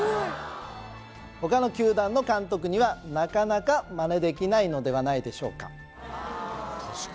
他の球団の監督にはなかなかマネできないのではないでしょうか